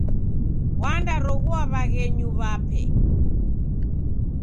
Wandaroghua w'aghenyu w'ape.